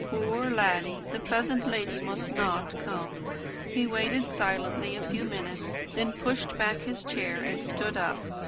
"Poor laddie! The pleasant lady must not come." He waited silently a few minutes, then pushed back his chair and stood up.